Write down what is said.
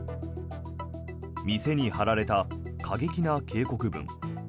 店に張られた過激な警告文。